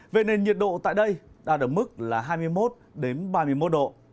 về nền nhiệt độ tại đây đạt ở mức là hai mươi một đến ba mươi một độ